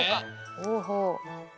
ほうほう。